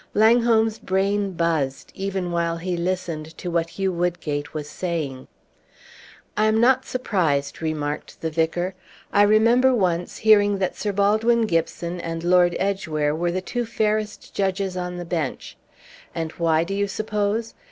Langholm's brain buzzed, even while he listened to what Hugh Woodgate was saying. "I am not surprised," remarked the vicar. "I remember once hearing that Sir Baldwin Gibson and Lord Edgeware were the two fairest judges on the bench; and why, do you suppose?